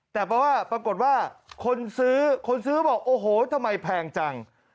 แต่ปรากฏคือคนซื้อบอกโรฮทำไมแพงจัง